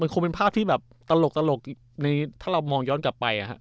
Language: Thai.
คงเป็นภาพที่แบบตลกถ้าเรามองย้อนกลับไป